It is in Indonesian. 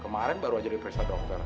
kemaren baru aja di presiden dokter